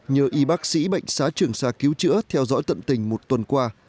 nhờ y bác sĩ bệnh xá trường xa cứu chữa theo dõi tận tình một tuần qua